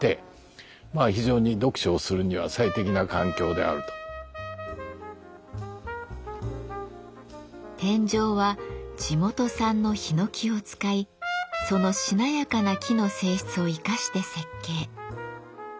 そしてこの天井は地元産のひのきを使いそのしなやかな木の性質を生かして設計。